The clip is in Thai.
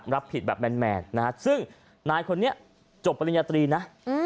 รับผิดแบบแมนนะฮะซึ่งนายคนนี้จบปริญญาตรีนะ